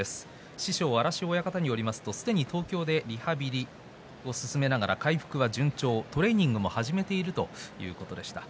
師匠の荒汐親方によりますとすでに東京でリハビリを進めながら回復が順調でトレーニングも始めているということでした。